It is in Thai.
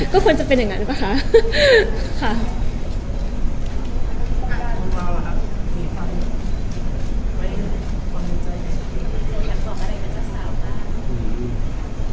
ก็ควรจะเป็นอย่างนั้นหรือเปล่าคะ